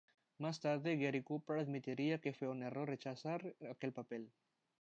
Más tarde Gary Cooper admitiría que fue un error rechazar aquel papel.